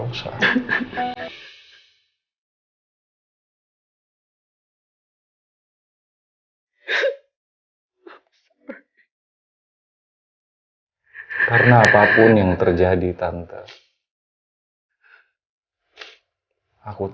aku harus tutup kartunya jadi apapun